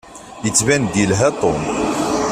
Yettban-d yelha Tom.